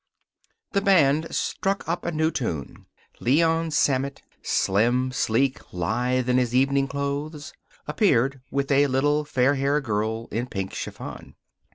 The band struck up a new tune. Leon Sammett slim, sleek, lithe in his evening clothes appeared with a little fair girl in pink chiffon.